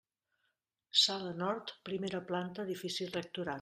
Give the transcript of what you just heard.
Sala nord, primera planta edifici Rectorat.